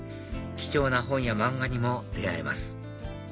貴重な本や漫画にも出会えます